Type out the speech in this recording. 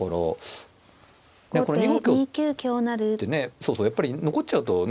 そうそうやっぱり残っちゃうとね